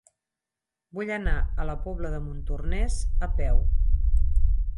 Vull anar a la Pobla de Montornès a peu.